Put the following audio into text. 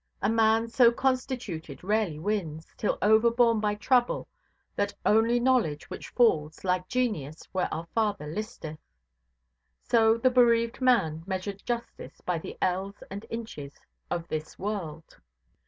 A man so constituted rarely wins, till overborne by trouble, that only knowledge which falls (like genius) where our Father listeth. So the bereaved man measured justice by the ells and inches of this world.